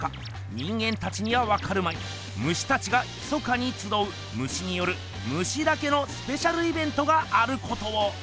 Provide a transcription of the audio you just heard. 人間たちにはわかるまいムシたちがひそかにつどうムシによるムシだけのスペシャルイベントがあることを！